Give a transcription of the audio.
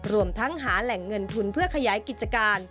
รวมทั้งหาแหล่งเงินทุนเพื่อขยายกิจการ